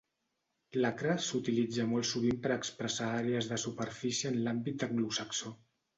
L'acre s'utilitza molt sovint per expressar àrees de superfície en l'àmbit anglosaxó.